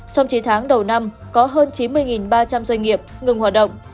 trong chín tháng đầu năm có hơn chín mươi ba trăm linh doanh nghiệp ngừng hoạt động